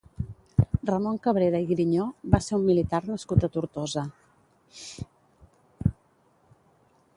Ramon Cabrera i Grinyó va ser un militar nascut a Tortosa.